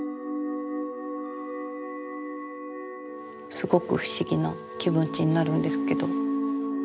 すごく不思議な気持ちになるんですけど。